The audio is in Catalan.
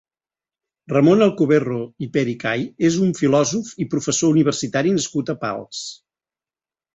Ramon Alcoberro i Pericay és un filòsof i professor universitari nascut a Pals.